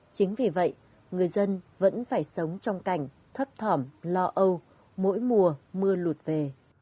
chính vì vậy người dân vẫn phải sống trong cảnh thấp thỏm lo âu mỗi mùa mưa lụt về